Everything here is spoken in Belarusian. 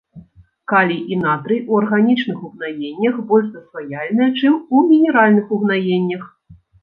Калій і натрый у арганічных угнаеннях больш засваяльныя, чым у мінеральных угнаеннях.